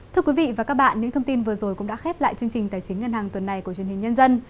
thưa quý vị và các bạn những thông tin vừa rồi cũng đã khép lại chương trình tài chính ngân hàng tuần này của truyền hình nhân dân